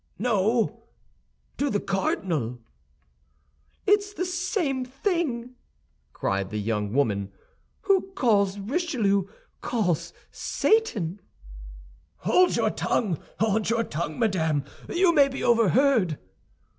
"No, to the cardinal." "It's the same thing," cried the young woman. "Who calls Richelieu calls Satan." "Hold your tongue, hold your tongue, madame! You may be overheard."